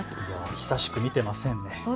久しく見ていませんね。